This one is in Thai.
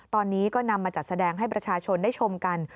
ตอนนี้ก็นำมาจัดแสดงให้ประชาชนได้ชมกัน